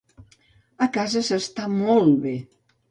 A casa s'està molt bé.